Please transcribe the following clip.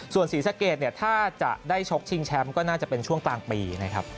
ส่วนศรีสะเกดเนี่ยถ้าจะได้ชกชิงแชมป์ก็น่าจะเป็นช่วงกลางปีนะครับ